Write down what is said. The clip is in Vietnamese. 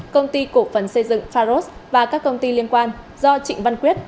công ty cổ phần xây dựng pharos và các công ty liên quan do trịnh văn quyết